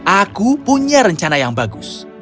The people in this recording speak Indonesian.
aku punya rencana yang bagus